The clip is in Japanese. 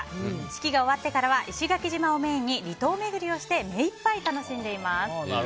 式が終わってからは石垣島をメインに離島巡りをして目いっぱい楽しんでいます。